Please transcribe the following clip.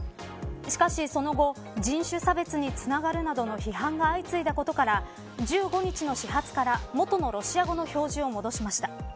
しかし、その後、人種差別につながるなどの批判が相次いだことから１５日の始発から元のロシア語の表示を戻しました。